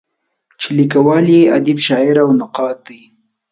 چې لیکوال یې ادیب، شاعر او نقاد دی.